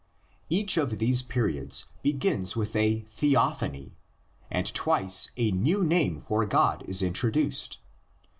Each of these periods begins with a theophany, and twice a new name for God is introduced.